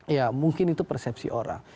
ya mungkin itu persepsi orang